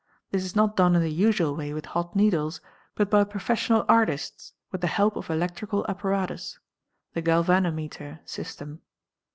This is not done in the usual way 'with hot needles, but by professional artists with the help of electrical | apparatus (the galvanometer system).